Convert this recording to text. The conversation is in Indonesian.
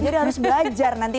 jadi harus belajar nanti